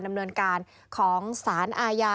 ดำเนินการของสารอาญา